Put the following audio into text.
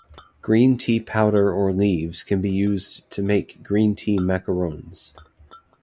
Green tea powder or leaves can be used to make green tea macarons.